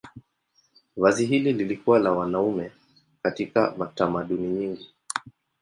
Vazi hili lilikuwa la wanaume katika tamaduni nyingi.